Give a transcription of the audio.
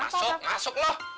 masuk masuk loh